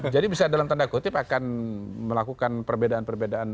jadi bisa dalam tanda kutip akan melakukan perbedaan perbedaan